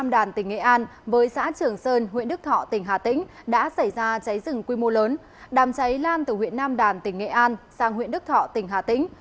đám cháy lan từ huyện nam đàn tỉnh nghệ an sang huyện đức thọ tỉnh hà tĩnh